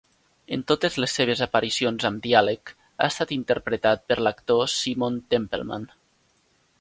En totes les seves aparicions amb diàleg, ha estat interpretat per l'actor Simon Templeman.